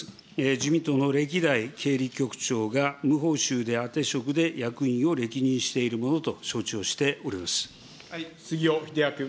自民党の歴代経理局長が、無報酬であてしょくで役員を歴任しているものと承知をしておりま杉尾秀哉君。